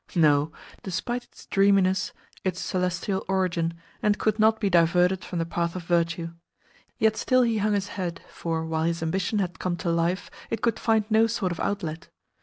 No, despite its dreaminess, his soul ever remembered its celestial origin, and could not be diverted from the path of virtue. Yet still he hung his head, for, while his ambition had come to life, it could find no sort of outlet.